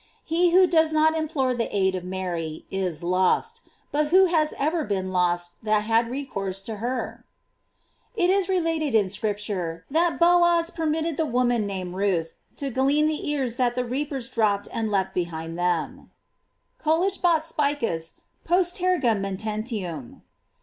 He who does not implore the aid of Mary is lost: but who km erer been lost that had recourse to her? It is related in Sdiptnie that Boon permitted r. ii * GLORIES OF JCABT. 137 the woman named Ruth to glean the ears that the reapers dropped and left behind them: " Colligebat si>icas post terga metentium."